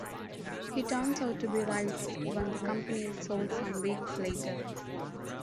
He turns out to be right when the company is sold some weeks later.